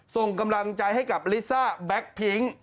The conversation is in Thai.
ส่งกำลังใจให้กับลิซ่าแบ็คพิ้ง